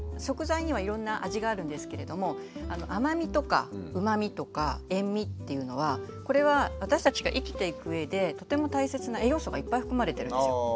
食材にはいろんな味があるんですけれども甘味とかうまみとか塩味っていうのはこれは私たちが生きていく上でとても大切な栄養素がいっぱい含まれてるんですよ。